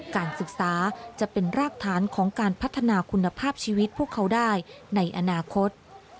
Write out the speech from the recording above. การศึกษาจะเป็นรากฐานของการพัฒนาคุณภาพชีวิตพวกเขาได้ในอนาคต